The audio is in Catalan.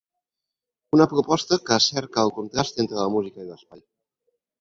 Una proposta que cerca el contrast entre la música i l’espai.